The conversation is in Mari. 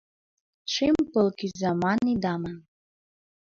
Шем пыл кӱза ман ида ман -